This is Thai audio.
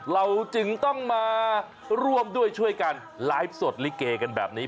เราจึงต้องมาร่วมด้วยช่วยกันไลฟ์สดลิเกกันแบบนี้